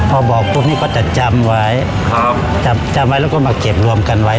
พอบอกพรุ่งนี้เขาก็จะจำไว้ครับจำไว้แล้วก็มาเก็บรวมกันไว้